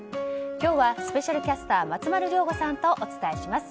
今日はスペシャルキャスター松丸亮吾さんとお伝えします。